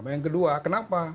yang kedua kenapa